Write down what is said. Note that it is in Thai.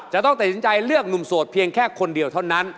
จะต้องตัดสินใจเลือกหนุ่มโสดเพียงแค่คนเดียวเท่านั้น